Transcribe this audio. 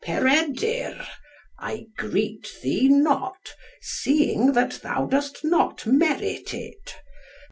"Peredur, I greet thee not, seeing that thou dost not merit it.